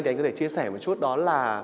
thì anh có thể chia sẻ một chút đó là